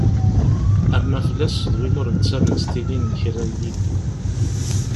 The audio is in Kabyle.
Arnaflas d win ur nettamen s tilin n kra n yillu.